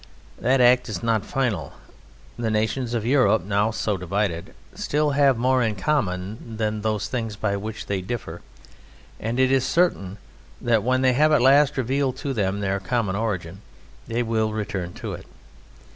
That act is not final. The nations of Europe, now so divided, still have more in common than those things by which they differ, and it is certain that when they have at last revealed to them their common origin they will return to it.